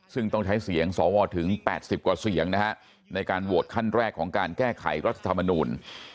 ซึ่งต้องใช้เสียงสวถึง๘๐กว่าเสียงนะฮะในการโหวตขั้นแรกของการแก้ไขรัฐธรรมนูล